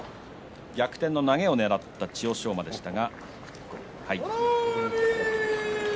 逆転の投げをねらった千代翔馬ですが。